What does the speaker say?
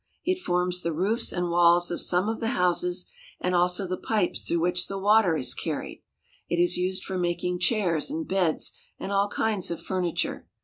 It forms the roofs and walls of some of the houses, and also the pipes through which the water is car ried. It is used for mak ing chairs and beds and all kinds of furniture.